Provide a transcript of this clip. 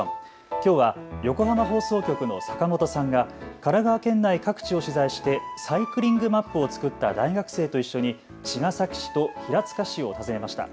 きょうは横浜放送局の坂本さんが神奈川県内各地を取材してサイクリングマップを作った大学生と一緒に茅ヶ崎市と平塚市を訪ねました。